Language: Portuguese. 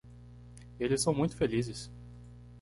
Eles são muito felizes